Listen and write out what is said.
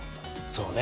そうね。